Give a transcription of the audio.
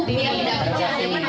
itu nanti cukup tinggi